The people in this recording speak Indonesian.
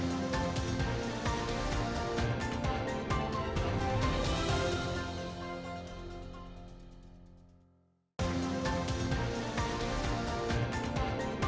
tidak ada lagi yang bisa diperhatikan